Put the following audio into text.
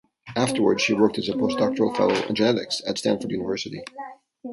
Afterwards, she worked as a postdoctoral fellow in genetics at Stanford University.